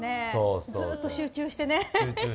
ずっと集中してね。